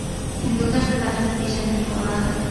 هندوکش د فرهنګي پیژندنې یوه برخه ده.